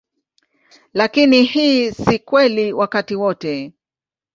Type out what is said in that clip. Lakini hii si kweli wakati wote.